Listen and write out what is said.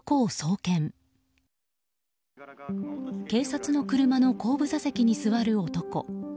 警察の車の後部座席に座る男。